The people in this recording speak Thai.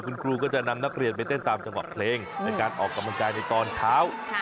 คุณครูก็จะนำนักเรียนไปเต้นตามจังหวะเพลงในการออกกำลังกายในตอนเช้า